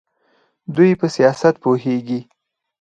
دوی په سیاست پوهیږي.